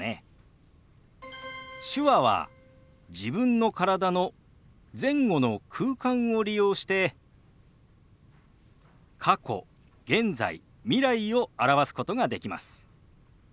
手話は自分の体の前後の空間を利用して過去現在未来を表すことができます。